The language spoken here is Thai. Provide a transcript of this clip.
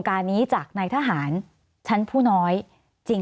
สวัสดีครับทุกคน